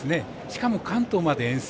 しかも関東まで遠征。